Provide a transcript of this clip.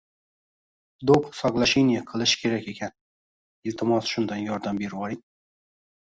Dop soglasheniya qilish kerak ekan, iltimos shundan yordam bervoring.